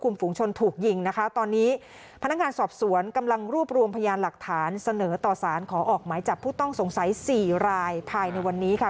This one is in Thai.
มีออกหมายจากผู้ต้องสงสัย๔รายภายในวันนี้ค่ะ